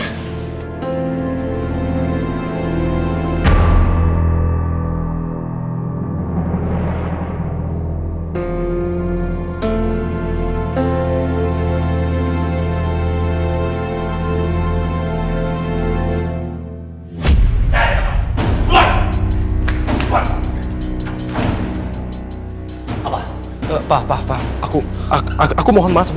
cerita dulu aja pastinya